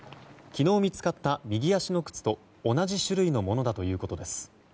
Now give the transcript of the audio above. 昨日見つかった右足の靴と同じ種類のものだということです。